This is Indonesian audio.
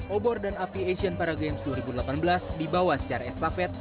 obor dan api asian paragames dua ribu delapan belas dibawa secara estafet